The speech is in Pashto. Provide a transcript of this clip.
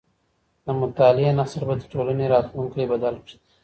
د مطالعې نسل به د ټولني راتلونکی بدل کړي.